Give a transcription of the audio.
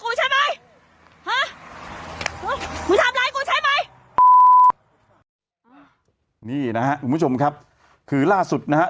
กูใช้ไหมนี่นะฮะคุณผู้ชมครับคือล่าสุดนะฮะ